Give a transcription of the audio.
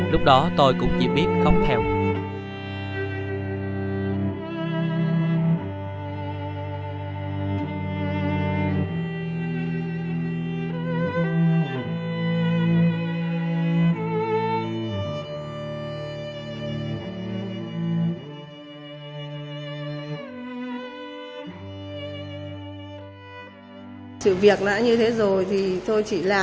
lúc đó tôi cũng chỉ biết khóc theo